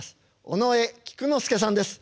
尾上菊之助さんです。